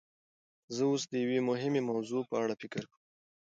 زه اوس د یوې مهمې موضوع په اړه فکر کوم.